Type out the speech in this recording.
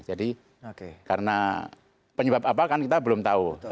jadi karena penyebab apa kan kita belum tahu